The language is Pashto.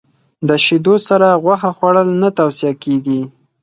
د شیدو سره غوښه خوړل نه توصیه کېږي.